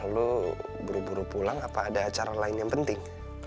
lalu buru buru pulang apa ada acara lain yang penting